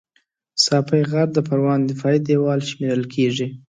ساپی غر د پروان دفاعي دېوال شمېرل کېږي